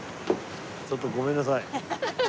ちょっとごめんなさい。